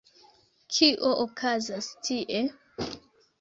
Kio okazas tie?